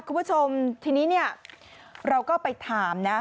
คุณผู้ชมทีนี้เราก็ไปถาม